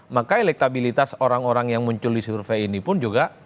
maka elektabilitas orang orang yang muncul di survei ini pun juga